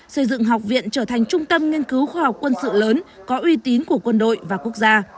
xây dựng học viện trở thành trung tâm nghiên cứu khoa học quân sự lớn có uy tín của quân đội và quốc gia